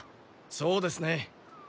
そうですね。